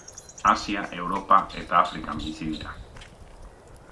Asia, Europa eta Afrikan bizi dira.